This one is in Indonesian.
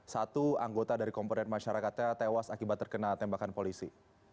satu anggota dari komponen masyarakatnya tewas akibat terkena tembakan polisi